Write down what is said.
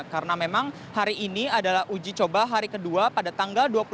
karena memang hari ini adalah uji coba hari kedua pada tanggal dua puluh enam april dua ribu dua puluh dua